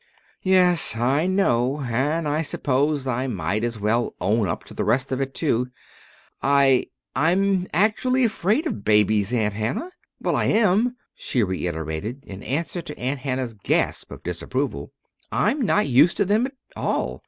"Yes, I know. And I suppose I might as well own up to the rest of it too. I I'm actually afraid of babies, Aunt Hannah! Well, I am," she reiterated, in answer to Aunt Hannah's gasp of disapproval. "I'm not used to them at all.